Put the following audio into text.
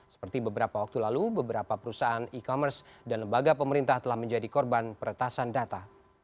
seperti beberapa waktu lalu beberapa perusahaan e commerce dan lembaga pemerintah telah menjadi korban peretasan data